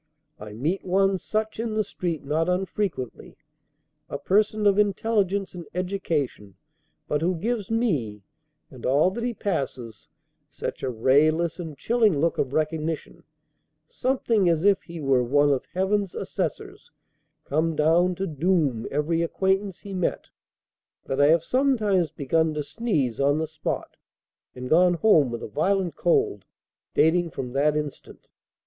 I meet one such in the street not unfrequently, a person of intelligence and education, but who gives me (and all that he passes) such a rayless and chilling look of recognition, something as if he were one of Heaven's assessors, come down to "doom" every acquaintance he met, that I have sometimes begun to sneeze on the spot, and gone home with a violent cold, dating from that instant.